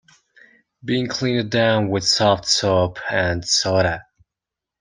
Been cleaned down with soft soap and soda.